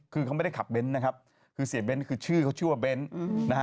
คือเขาไม่ได้ขับเบนท์นะครับเสียเบนท์คือชื่อเขาชื่อว่าเบนท์